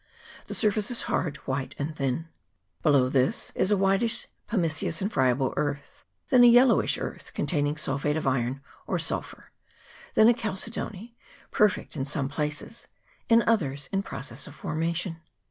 The surface is hard, white, and thin ; below this is a whitish pumiceous and friable earth ; then a yellowish earth, containing sulphate of iron or sulphur ; then a chalcedony, perfect in some places, in others in process of formation.